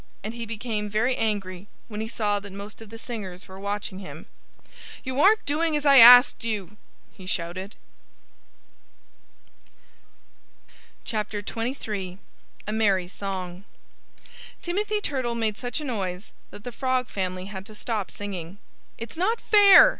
And he became very angry when he saw that most of the singers were watching him. "You aren't doing as I asked you!" he shouted. XXIII A MERRY SONG Timothy Turtle made such a noise that the Frog family had to stop singing. "It's not fair!"